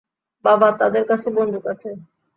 বাবা, তাদের কাছে বন্দুক আছে।